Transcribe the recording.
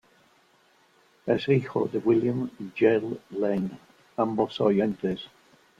Es hijo de William y Jill Lane, ambos oyentes.